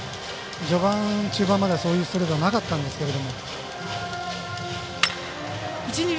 序盤、中盤まではそういうストレートはなかったんですけど。